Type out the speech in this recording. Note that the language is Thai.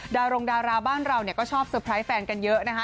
ดารงดาราบ้านเราก็ชอบแฟนกันเยอะนะคะ